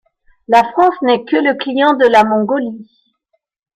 La France n'est que le client de la Mongolie.